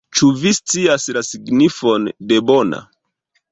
Ĉu vi scias la signifon de bona?